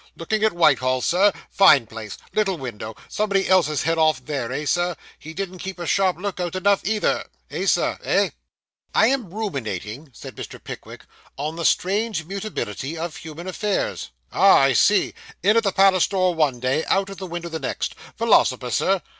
Looking at Whitehall, sir? fine place little window somebody else's head off there, eh, sir? he didn't keep a sharp look out enough either eh, Sir, eh?' 'I am ruminating,' said Mr. Pickwick, 'on the strange mutability of human affairs.' 'Ah! I see in at the palace door one day, out at the window the next. Philosopher, Sir?